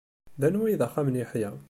D anwa i d axxam n Yeḥya?